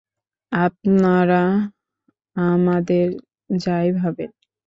আপনারা আমদের যাই ভাবেন।